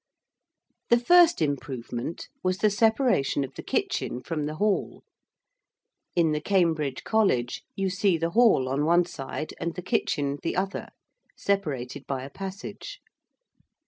The first improvement was the separation of the kitchen from the hall: in the Cambridge College you see the hall on one side and the kitchen the other, separated by a passage.